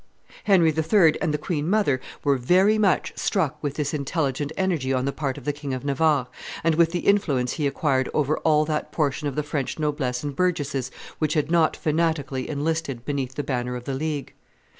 Henry III. and the queen mother were very much struck with this intelligent energy on the part of the King of Navarre, and with the influence he acquired over all that portion of the French noblesse and burgesses which had not fanatically enlisted beneath the banner of the League.